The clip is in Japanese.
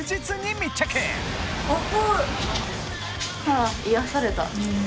ああ癒やされた。